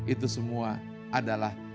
itu semua adalah